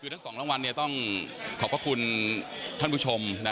คือทั้ง๒รางวัลต้องขอบพระคุณท่านผู้ชม